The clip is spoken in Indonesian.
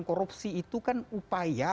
korupsi itu kan upaya